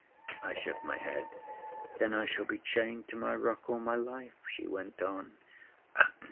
I shook my head. "Then I shall be chained to my rock all my life," she went on.